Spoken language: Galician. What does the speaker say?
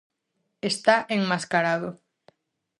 Está enmascarado.